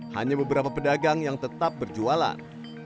hanya beberapa pedagang yang tetap berjualan